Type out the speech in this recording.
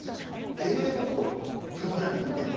英語とプログラミング言語。